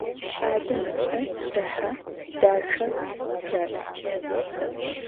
Баджэм ыкӏэ кӏыхьэ, дахэ, пырац.